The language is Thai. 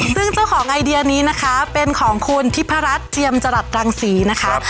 ซึ่งเจ้าของไอเดียนี้นะคะเป็นของคุณทิพรัชเจียมจรัสรังศรีนะคะ